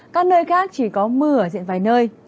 các nơi khác chỉ có mưa ở diện vài nơi